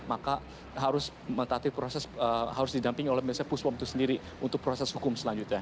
maka harus didampingi oleh pusbom itu sendiri untuk proses hukum selanjutnya